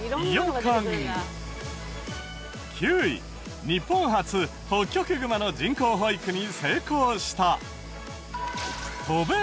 ９位日本初ホッキョクグマの人工保育に成功した。